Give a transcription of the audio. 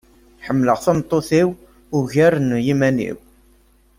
Ḥemleɣ tameṭṭut-iw ugar n yiman-iw.